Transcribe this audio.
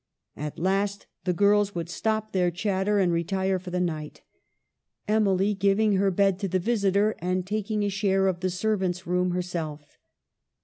At last the girls would stop their chatter, and retire for the night, Emily giving her bed to the visitor and taking a share of the servants' room her self.